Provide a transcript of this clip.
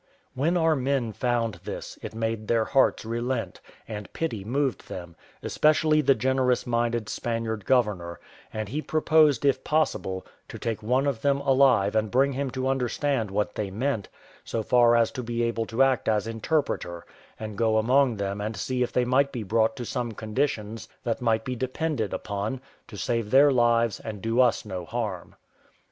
When our men found this, it made their hearts relent, and pity moved them, especially the generous minded Spaniard governor; and he proposed, if possible, to take one of them alive and bring him to understand what they meant, so far as to be able to act as interpreter, and go among them and see if they might be brought to some conditions that might be depended upon, to save their lives and do us no harm.